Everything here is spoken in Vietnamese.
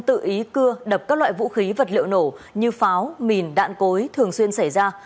tự ý cưa đập các loại vũ khí vật liệu nổ như pháo mìn đạn cối thường xuyên xảy ra